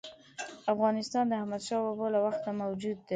افغانستان د احمدشاه بابا له وخته موجود دی.